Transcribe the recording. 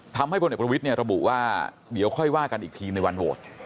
ทำให้บนเอกบริวิตระบุว่าเดี๋ยวค่อยว่ากันอีกทีในวันโหวต